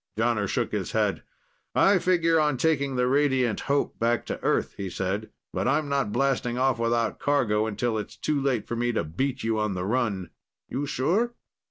Jonner shook his head. "I figure on taking the Radiant Hope back to Earth," he said. "But I'm not blasting off without cargo until it's too late for me to beat you on the run." "You sure?